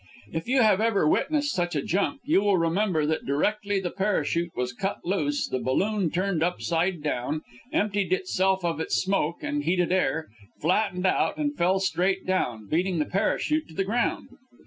If you have ever witnessed such a jump, you will remember that directly the parachute was cut loose the balloon turned upside down, emptied itself of its smoke and heated air, flattened out and fell straight down, beating the parachute to the ground.